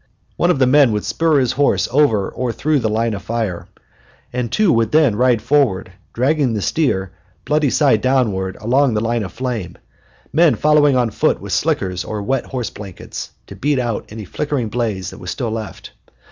One of the men would spur his horse over or through the line of fire, and the two would then ride forward, dragging the steer bloody side downward along the line of flame, men following on foot with slickers or wet horse blankets, to beat out any flickering blaze that was still left.